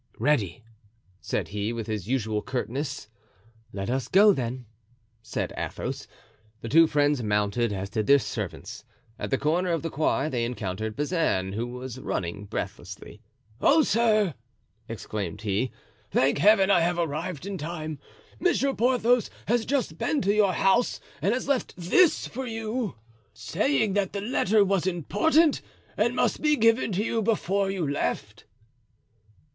"Ready," said he, with his usual curtness. "Let us go, then," said Athos. The two friends mounted, as did their servants. At the corner of the Quai they encountered Bazin, who was running breathlessly. "Oh, sir!" exclaimed he, "thank Heaven I have arrived in time. Monsieur Porthos has just been to your house and has left this for you, saying that the letter was important and must be given to you before you left."